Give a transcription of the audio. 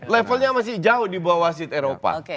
levelnya masih jauh di bawah wasit eropa